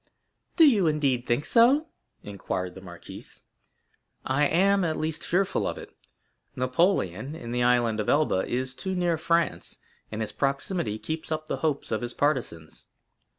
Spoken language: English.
0087m "Do you, indeed, think so?" inquired the marquise. "I am, at least, fearful of it. Napoleon, in the Island of Elba, is too near France, and his proximity keeps up the hopes of his partisans.